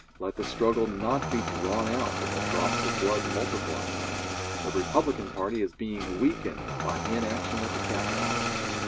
Let the struggle not be drawn out and the drops of blood multiplied. The Republican party is being weakened by inaction at the Capital.